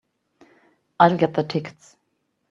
I'll get the tickets.